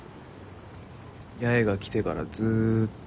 八重が来てからずっと。